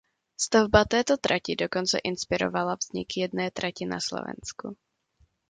Stavba této trati dokonce inspirovala vznik jedné trati na Slovensku.